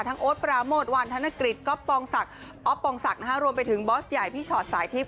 โอ๊ตปราโมทวันธนกฤษก๊อปปองศักดิ์อ๊อฟปองศักดิ์รวมไปถึงบอสใหญ่พี่ชอตสายทิพย